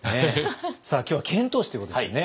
さあ今日は遣唐使ということですよね。